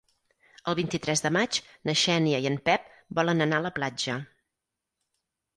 El vint-i-tres de maig na Xènia i en Pep volen anar a la platja.